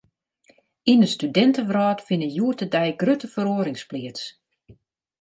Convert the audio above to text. Yn de studintewrâld fine hjoed-de-dei grutte feroarings pleats.